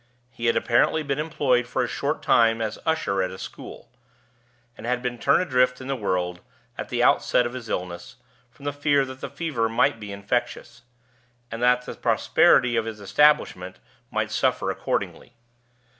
He had apparently been employed for a short time as usher at a school, and had been turned adrift in the world, at the outset of his illness, from the fear that the fever might be infectious, and that the prosperity of the establishment might suffer accordingly.